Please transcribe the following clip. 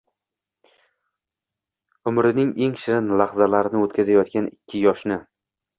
Umrining eng shirin lahzalarini o‘tkazayotgan ikki yoshni